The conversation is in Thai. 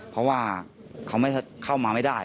เพราะว่าเขาเข้ามาไม่ได้